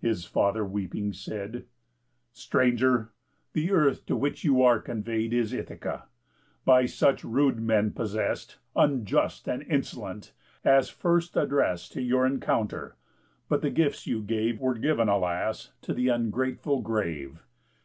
His father, weeping, said: "Stranger! The earth to which you are convey'd Is Ithaca; by such rude men possess'd, Unjust and insolent, as first address'd To your encounter; but the gifts you gave Were giv'n, alas! to the ungrateful grave.